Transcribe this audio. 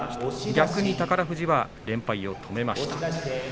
逆に宝富士は連敗を止めました。